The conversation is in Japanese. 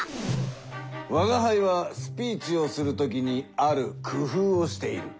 吾輩はスピーチをするときにある工ふうをしている。